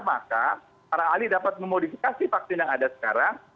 maka para ahli dapat memodifikasi vaksin yang ada sekarang